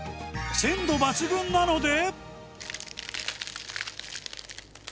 鮮度抜群なので。